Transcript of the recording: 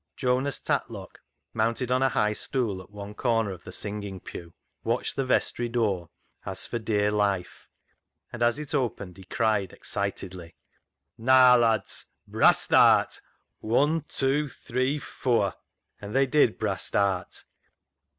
Jonas Tatlock, mounted on a high stool at one corner of the singing pew, watched the vestry door as for dear life, and as it opened he cried excitedly —" Naa, lads, brast aat — Wun, two, three, fower !" And they did " brast aat."